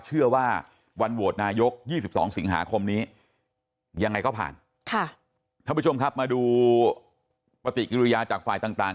เชื่อว่าวันโหวตนายก๒๒สิงหาคมนี้ยังไงก็ผ่านค่ะท่านผู้ชมครับมาดูปฏิกิริยาจากฝ่ายต่าง